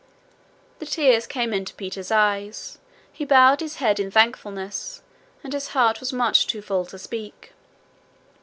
The tears came into Peter's eyes. He bowed his head in thankfulness, and his heart was much too full to speak.